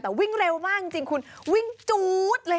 แต่วิ่งเร็วมากจริงคุณวิ่งจู๊ดเลย